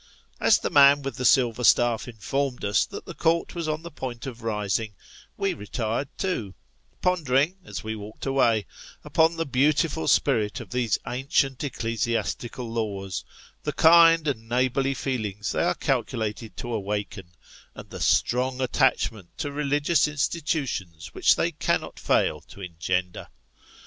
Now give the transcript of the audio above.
As the man with the silver staff informed us that the Court was on the point of rising, we retired too pondering, as we walked away, upon the beautiful spirit of these ancient ecclesiastical laws, the kind and neighbourly feelings they are calculated to awaken, and the strong attachment to religious institutions which they cannot fail to engender.